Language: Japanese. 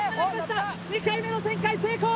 ２回目の旋回成功。